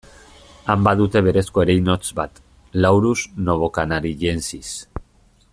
Han badute berezko ereinotz bat, Laurus novocanariensis.